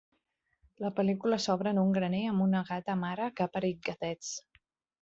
La pel·lícula s'obre en un graner amb una gata mare que ha parit gatets.